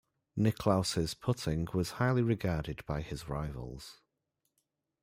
Nicklaus's putting was highly regarded by his rivals.